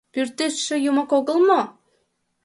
Пӱртӱсшӧ Юмак огыл мо?